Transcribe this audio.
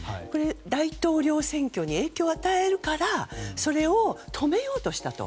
大統領選挙に影響を与えるからそれを止めようとしたと。